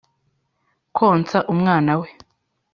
Konsa umwana we